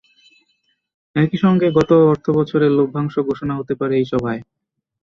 একই সঙ্গে গত অর্থবছরের লভ্যাংশ ঘোষণা হতে পারে এই সভায়।